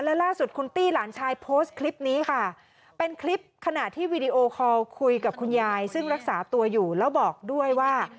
และล่าสุดคุณตี้หลานชายโพสต์คลิปนี้ค่ะเป็นคลิปขณะที่วีดีโอคอลคุยกับคุณยายซึ่งรักษาตัวอยู่แล้วบอกด้วยว่า